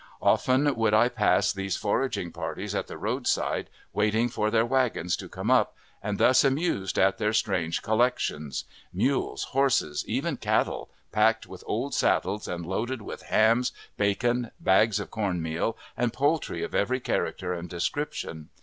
Often would I pass these foraging parties at the roadside, waiting for their wagons to come up, and was amused at their strange collections mules, horses, even cattle, packed with old saddles and loaded with hams, bacon, bags of cornmeal, and poultry of every character and description.